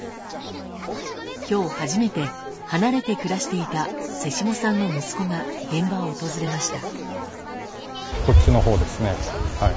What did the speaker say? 今日初めて離れて暮らしていた瀬下さんの息子が現場を訪れました。